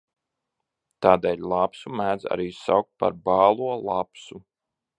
Tādēļ lapsu mēdz arī saukt par bālo lapsu.